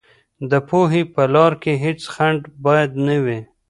د پوهې په لار کې هېڅ خنډ باید نه وي.